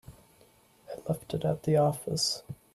I left it at the office.